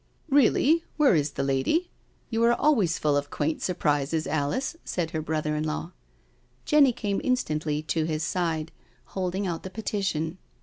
" Really? Where is the lady? You are always full of quaint surprises, Alice," said her brother in law. Jenny came instantly to his side, holding out the Petition.